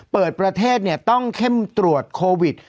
เปิดประเทศต้องเข้มตรวจโควิด